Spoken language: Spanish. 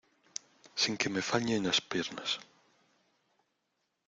sin que me fallen las piernas.